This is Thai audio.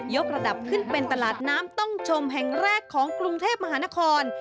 กระดับขึ้นเป็นตลาดน้ำต้องชมแห่งแรกของกรุงเทพมหานคร